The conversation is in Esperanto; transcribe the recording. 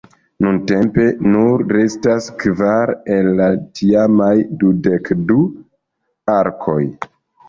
Nuntempe nur restas kvar el la tiamaj dudek du arkoj.